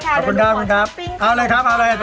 ขอบคุณค่ะดื่มน้ำขวอนท้อปปิ้ง